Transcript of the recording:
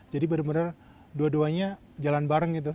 jadi benar benar dua duanya jalan bareng gitu